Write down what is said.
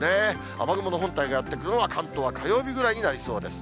雨雲の本体がやって来るのは、関東は火曜日ぐらいになりそうです。